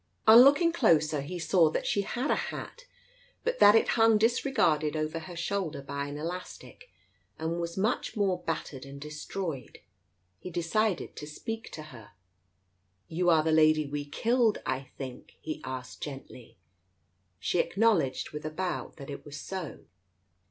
On looking closer, he saw that she had a hat, but that it hung disregarded over her shoulder by an elastic, and was much battered and destroyed. He decided to speak to her. "You are the lady we killed, I think ?" he asked gently. She acknowledged with a bow that it was so.